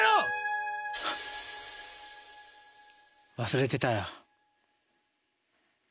忘れてたよ